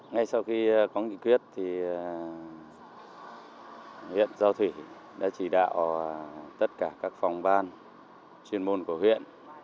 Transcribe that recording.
ngay sau khi có nghị quyết thì huyện giao thủy đã chỉ đạo tất cả các phòng ban chuyên môn của huyện